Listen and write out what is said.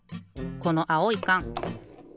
このあおいかん。